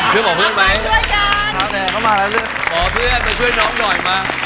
หมอเพื่อนมาช่วยน้องหน่อย